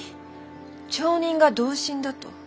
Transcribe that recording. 町人が同心だと？